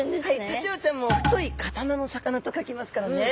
タチウオちゃんも「太い刀の魚」と書きますからね！